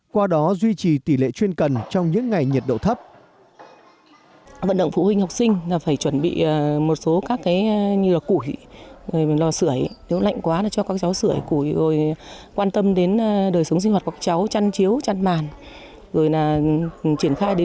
qua đó duy trì tỷ lệ chuyên cần trong những ngày nhiệt độ thấp